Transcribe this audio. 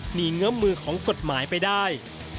หนีเงิมมือของกฎหมายไปได้